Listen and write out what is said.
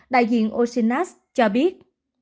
đại diện oxynas cho biết